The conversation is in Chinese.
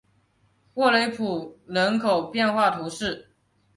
沃雷普人口变化图示